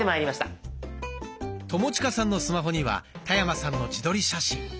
友近さんのスマホには田山さんの自撮り写真。